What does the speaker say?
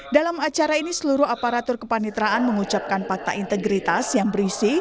dalam acara ini seluruh aparatur kepanitraan mengucapkan fakta integritas yang berisi